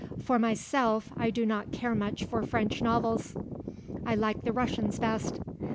For myself I do not care much for French novels. I like the Russians best.